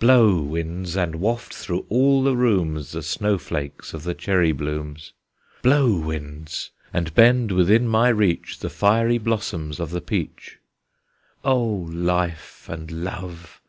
Blow, winds! and waft through all the rooms The snow flakes of the cherry blooms! Blow, winds! and bend within my reach The fiery blossoms of the peach! O Life and Love!